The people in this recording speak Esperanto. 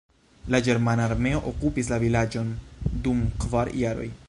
La ĝermana armeo okupis la vilaĝon dum kvar jaroj.